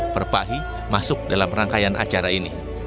perpahi masuk dalam rangkaian acara ini